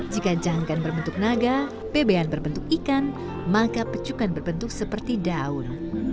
jika janggan berbentuk naga bebean berbentuk ikan maka pecukan berbentuk seperti daun